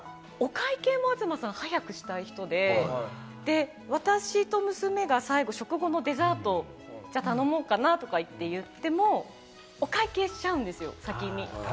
例えば、お会計も東さんは早くしたい人で、私と娘が最後、食後のデザートを頼もうかなとか言っても、お会計しちゃうんですよ、先に。